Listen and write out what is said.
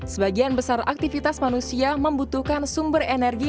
sebagian besar aktivitas manusia membutuhkan sumber energi